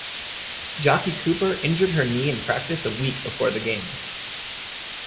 Jacqui Cooper injured her knee in practice a week before the games.